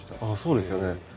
あそうですよね。